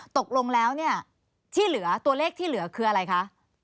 ตกลงแล้วตัวเลขที่เหลือคืออะไรคะ